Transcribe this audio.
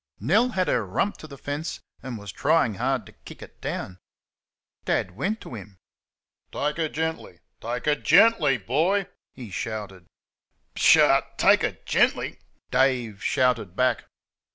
Nell had her rump to the fence and was trying hard to kick it down. Dad went to him. "Take her gently; take her GENTLY, boy," he shouted. "PSHAW! take her GENTLY!" Dave shouted back.